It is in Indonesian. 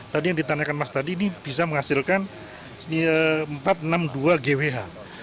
tadi yang ditanyakan mas tadi ini bisa menghasilkan empat ratus enam puluh dua gwh